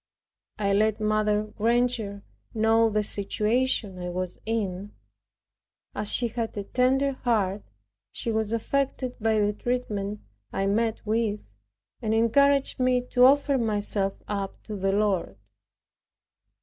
I let Mrs. Granger know the situation I was in. As she had a tender heart, she was affected by the treatment I met with, and encouraged me to offer myself up to the Lord.